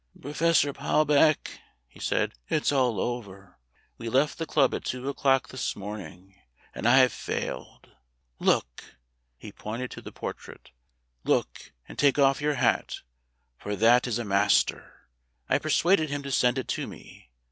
"Professor Palbeck," he said, "it's all over. We left the club at two o'clock this morning; and I have failed. Look!" He pointed to the portrait. "Look, and take off your hat, for that is a master. I persuaded him to send it me.